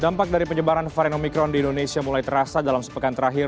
dampak dari penyebaran varian omikron di indonesia mulai terasa dalam sepekan terakhir